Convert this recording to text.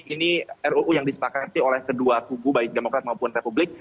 ini ruu yang disepakati oleh kedua kubu baik demokrat maupun republik